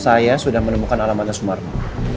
saya sudah menemukan alamatnya sumarno